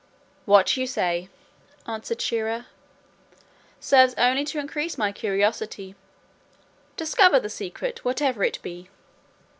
"What you say," answered Shier ear, "serves only to increase my curiosity. Discover the secret, whatever it be."